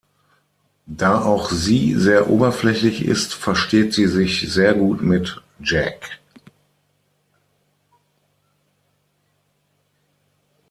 Da auch sie sehr oberflächlich ist, versteht sie sich sehr gut mit Jack.